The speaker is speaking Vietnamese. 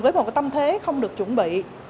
với một tâm thế không được chuẩn bị